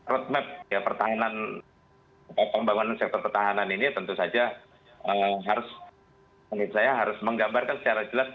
roadmap ya pertahanan pembangunan sektor pertahanan ini tentu saja harus menurut saya harus menggambarkan secara jelas